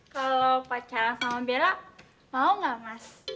kalo pacaran sama bella mau gak mas